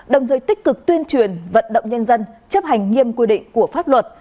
đồng thời tích cực tuyên truyền vận động nhân dân chấp hành nghiêm quy định của pháp luật